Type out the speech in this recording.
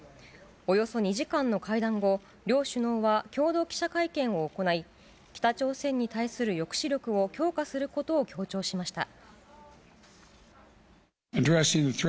およそ２時間の会談後、両首脳は共同記者会見を行い、北朝鮮に対する抑止力を強化することを強調しました。